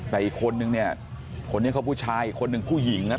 แต่อีกคนนึงเนี่ยคนนี้เขาผู้ชายอีกคนหนึ่งผู้หญิงนะ